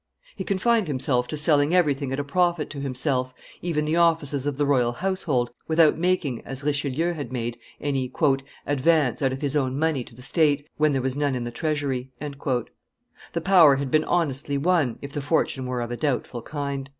He confined himself to selling everything at a profit to himself, even the offices of the royal household, without making, as Richelieu had made, any "advance out of his own money to the state, when there was none in the treasury." The power had been honestly won, if the fortune were of a doubtful kind.